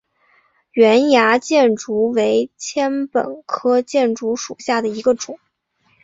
圆芽箭竹为禾本科箭竹属下的一个种。